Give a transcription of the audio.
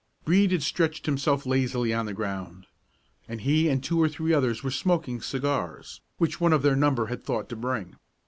Brede had stretched himself lazily on the ground, and he and two or three others were smoking cigars, which one of their number had thought to bring.